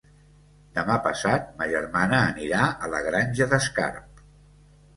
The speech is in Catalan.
Demà passat ma germana anirà a la Granja d'Escarp.